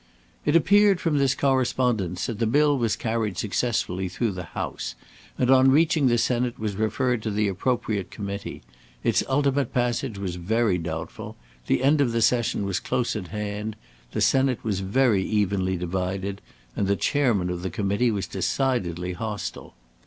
"It appeared from this correspondence that the bill was carried successfully through the House, and, on reaching the Senate, was referred to the appropriate Committee. Its ultimate passage was very doubtful; the end of the session was close at hand; the Senate was very evenly divided, and the Chairman of the Committee was decidedly hostile.